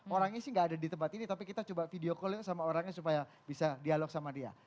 orangnya sih nggak ada di tempat ini tapi kita coba video call sama orangnya supaya bisa dialog sama dia